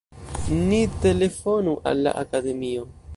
Ni telefonu al la Akademio!